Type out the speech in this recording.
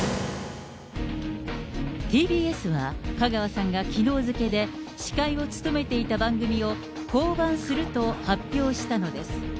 ＴＢＳは、香川さんがきのう付けで、司会を務めていた番組を降板すると発表したのです。